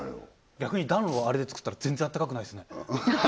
逆に暖炉をあれでつくったら全然あったかくないっすね